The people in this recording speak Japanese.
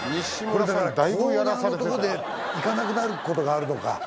これだからコーナーのとこで行かなくなることがあるのか。